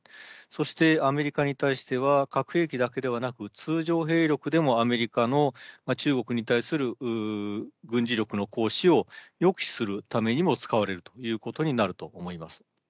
そして、アメリカに対しては、核兵器だけではなく、通常兵力でもアメリカの中国に対する軍事力の行使を抑止するためにも使われるということになると思います。